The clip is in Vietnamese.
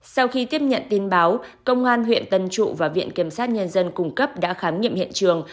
sau khi tiếp nhận tin báo công an huyện tân trụ và viện kiểm sát nhân dân cung cấp đã khám nghiệm hiện trường